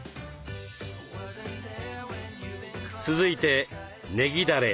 続いてねぎだれ。